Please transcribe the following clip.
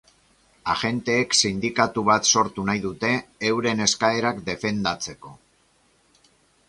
Agenteek sindikatu bat sortu nahi dute euren eskaerak defendatzeko.